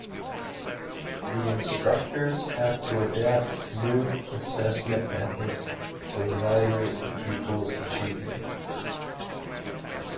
The instructors have to adapt new assessment methods to evaluate the pupils' achievement.